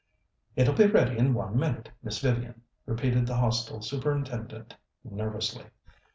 "It'll be ready in one minute, Miss Vivian," repeated the Hostel Superintendent nervously.